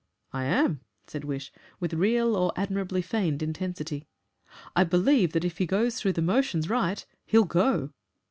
"I am," said Wish, with real or admirably feigned intensity. "I believe that if he goes through these motions right he'll GO."